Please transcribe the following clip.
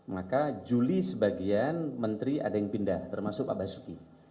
maka juli sebagian menteri ada yang pindah termasuk pak basuki